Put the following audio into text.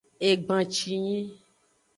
Egbancinyi.